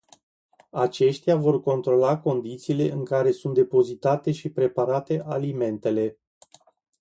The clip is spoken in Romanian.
Aceștia vor controla condițiile în care sunt depozitate și preparate alimentele.